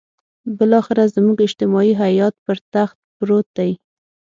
بالاخره زموږ اجتماعي حيات پر تخت پروت دی.